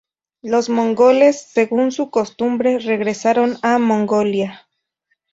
Los mongoles, según su costumbre, regresaron a Mongolia.